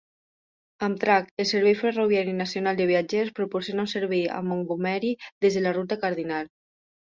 Amtrak, el servei ferroviari nacional de viatgers, proporciona un servei a Montgomery des de la ruta Cardinal.